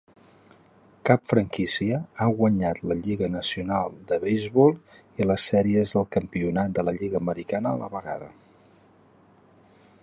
Cap franquícia ha guanyat la Lliga Nacional de Beisbol i les Sèries de Campionat de la Lliga Americana a la vegada.